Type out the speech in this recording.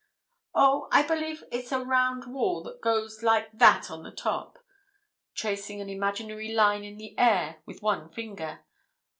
"Oh, I believe it's a round wall that goes like that on the top!" tracing an imaginary line in the air with one finger.